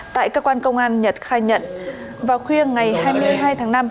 tại cơ quan công an nhật khai nhận vào khuya ngày hai mươi hai tháng năm